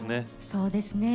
そうですね。